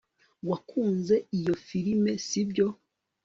wakunze iyo firime, sibyo